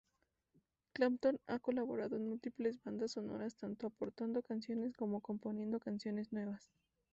Clapton ha colaborado en múltiples bandas sonoras, tanto aportando canciones como componiendo canciones nuevas.